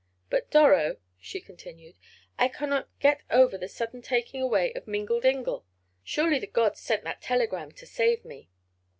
But Doro," she continued, "I cannot get over the sudden taking away of Mingle Dingle. Surely the gods sent that telegram to save me."